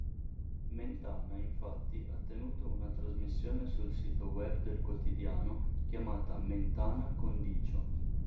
Mentana infatti ha tenuto una trasmissione sul sito web del quotidiano chiamata "Mentana Condicio.